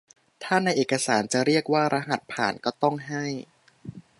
ถ้าในเอกสารจะเรียกว่า "รหัสผ่าน" ก็ต้องให้